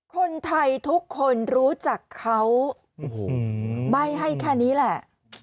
คนไทยทุกคนรู้จักเขาใบ้ให้แค่นี้แหละ